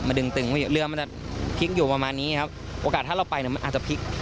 ดึงตึงเรือมันจะพลิกอยู่ประมาณนี้ครับโอกาสถ้าเราไปเนี่ยมันอาจจะพลิก